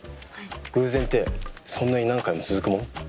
偶然ってそんなに何回も続くもん？